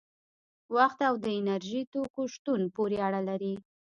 وخت او د انرژي توکو شتون پورې اړه لري.